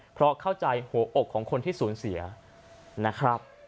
เพราะเข้าใจหัวอกของคนที่สูญเสียนะครับ